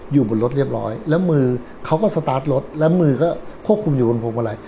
อยู่บนรถเรียบร้อยแล้วมือเขาก็สตาร์ทรถแล้วมือก็ควบคุมอยู่บนพวงมาลัย